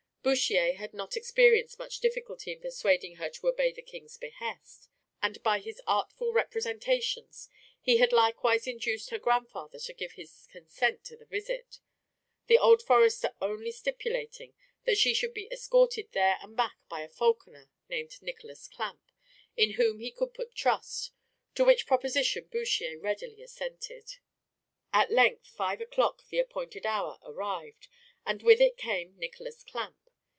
Bouchier had not experienced much difficulty in persuading her to obey the king's behest, and by his artful representations he had likewise induced her grandfather to give his consent to the visit the old forester only stipulating that she should be escorted there and back by a falconer, named Nicholas Clamp, in whom he could put trust; to which proposition Bouchier readily assented. At length five o'clock, the appointed hour, arrived, and with it came Nicholas Clamp.